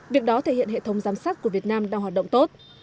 việc đó thể hiện hệ thống giám sát của việt nam đang hoạt động tốt